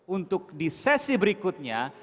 untuk di sesi berikutnya